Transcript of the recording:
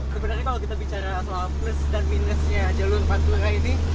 sebenarnya kalau kita bicara soal plus dan minusnya jalur pantura ini